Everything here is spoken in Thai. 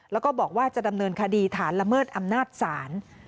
แล้วก็บอกว่าจะดำเนินคดีฐานละเมิดอำนาจศาล